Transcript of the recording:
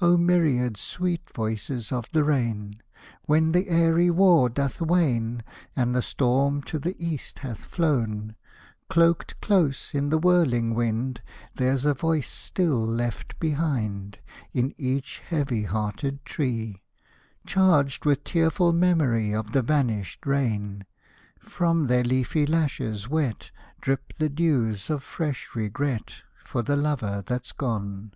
O myriad sweet voices of the rain! When the airy war doth wane, And the storm to the east hath flown, Cloaked close in the whirling wind, There's a voice still left behind In each heavy hearted tree, Charged with tearful memory Of the vanished rain: From their leafy lashes wet Drip the dews of fresh regret For the lover that's gone!